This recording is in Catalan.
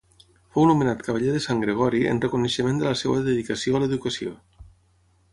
Fou nomenat cavaller de Sant Gregori en reconeixement de la seva dedicació a l'educació.